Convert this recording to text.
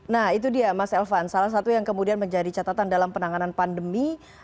nah itu dia mas elvan salah satu yang kemudian menjadi catatan dalam penanganan pandemi